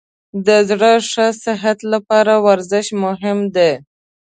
د زړه ښه صحت لپاره ورزش مهم دی.